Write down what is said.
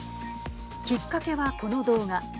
きっかけは、この動画。